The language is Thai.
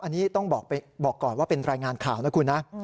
อันนี้ต้องบอกก่อนว่าเป็นรายงานข่าวนะคุณนะ